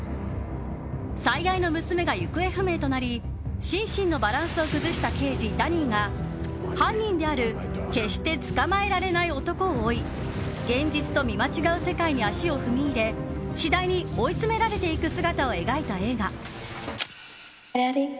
最愛の娘が行方不明となり心身のバランスを崩した刑事ダニーが犯人である決して捕まえられない男を追い現実と見間違う世界に足を踏み入れ次第に追い詰められていく姿を描いた映画。